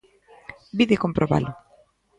Vide comprobalo.